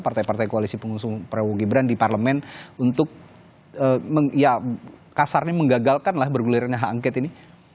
partai partai koalisi pengusung prabowo gibran di parlemen untuk ya kasarnya menggagalkan lah bergulirnya hak angket ini